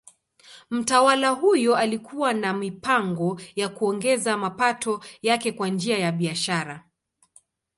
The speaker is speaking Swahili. Mtawala huyo alikuwa na mipango ya kuongeza mapato yake kwa njia ya biashara.